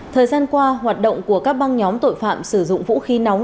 thời gian qua hoạt động của các băng nhóm tội phạm sử dụng vũ khí nóng